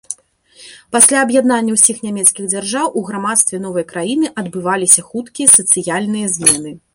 Пасля аб'яднання ўсіх нямецкіх дзяржаў, у грамадстве новай краіны адбываліся хуткія сацыяльныя змены.